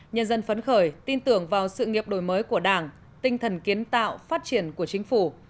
nhân dân phấn khởi tin tưởng vào sự nghiệp đổi mới của đảng tinh thần kiến tạo phát triển của chính phủ